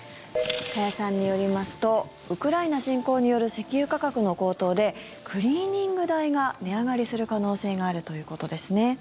加谷さんによりますとウクライナ侵攻による石油価格の高騰でクリーニング代が値上がりする可能性があるということですね。